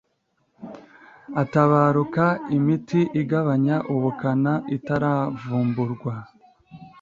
atabaruka imiti igabanya ubukana itaravumburwa.